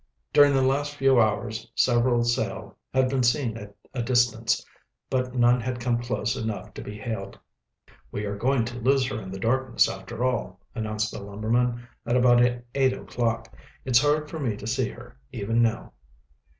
During the last few hours several sail had been seen at a distance, but none had come close enough to be hailed. "We are going to lose her in the darkness, after all," announced the lumberman, at about eight o'clock. "It's hard for me to see her, even now."